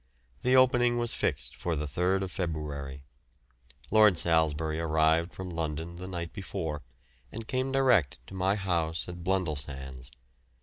The opening was fixed for the 3rd February. Lord Salisbury arrived from London the night before, and came direct to my house at Blundellsands.